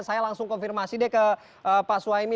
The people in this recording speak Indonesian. saya langsung konfirmasi deh ke pak suhaimi